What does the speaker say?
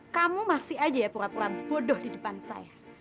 kamu masih aja ya pura pura bodoh di depan saya